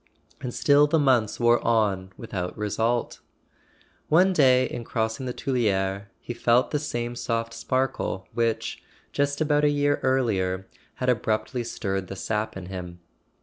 And still the months wore on with¬ out result. One day in crossing the Tuileries he felt the same soft sparkle which, just about a year earlier, had ab¬ ruptly stirred the sap in him.